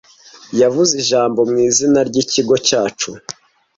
Yavuze ijambo mu izina ryikigo cyacu.